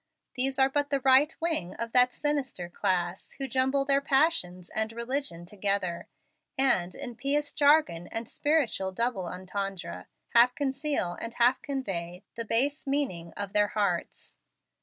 These are but the right wing of that sinister class who jumble their passions and religion together, and, in pious jargon and spiritual double entendre, half conceal and half convey the base meaning of their hearts.